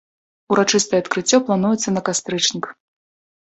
Урачыстае адкрыццё плануецца на кастрычнік.